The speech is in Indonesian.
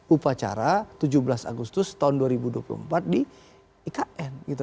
upacara tujuh belas agustus tahun dua ribu dua puluh empat di ikn gitu